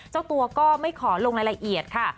เจ้าตัวก็ไม่ขอลงรายละเอียดค่ะ